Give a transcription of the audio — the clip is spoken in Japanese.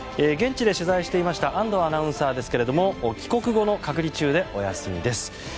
現地で取材していました安藤アナウンサーですが帰国後の隔離中でお休みです。